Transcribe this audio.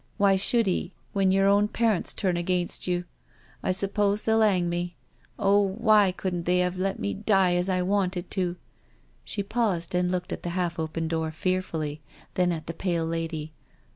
Why should He when yer own parents turn against you? I suppose they'll 'ang me. Oh, why couldn't they 'ave let me die as I wanted tol" She paused, and looked at the half open door fearfully, then at Ae pale lady.